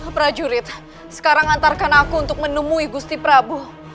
prajurit sekarang antarkan aku untuk menemui gusti prabu